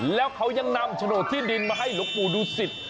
แล้วเขายังนำฉโนตที่ดินมาให้ลูกปู่ดูสิทธิ์